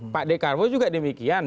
pak dekarwo juga demikian